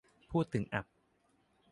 พูดถึงอับ